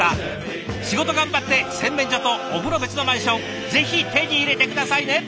仕事頑張って洗面所とお風呂別のマンションぜひ手に入れて下さいね！